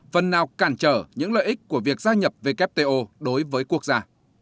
phần nào cản trở những lợi ích của việc gia nhập wto đối với quốc gia